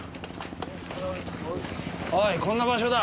おいこんな場所だ。